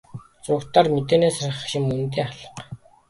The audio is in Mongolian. Зурагтаар мэдээнээс харах юм үнэндээ алга.